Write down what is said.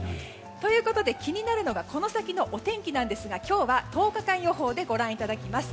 ということで気になるのがこの先のお天気なんですが今日は１０日間予報でご覧いただきます。